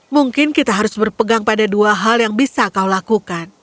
mungkin kita harus berpegang pada dua hal yang bisa kau lakukan